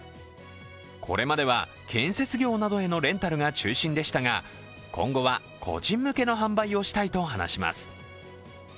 これまでは建設業などへのレンタルが中心でしたが今後は個人向けの販売をしたいと話します。